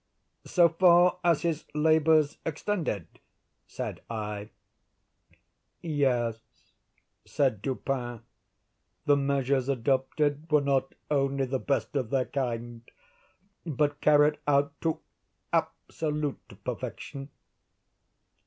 "So far as his labors extended?" said I. "Yes," said Dupin. "The measures adopted were not only the best of their kind, but carried out to absolute perfection.